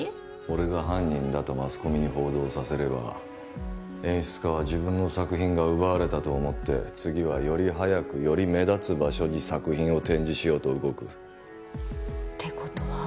俺が犯人だとマスコミに報道させれば演出家は自分の作品が奪われたと思って次はより早くより目立つ場所に作品を展示しようと動くってことは？